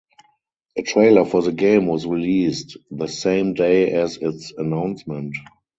A trailer for the game was released the same day as its announcement.